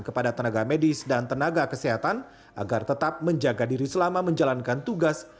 zubairi juga meminta agar pemerintah menjaga diri selama menjalankan tugas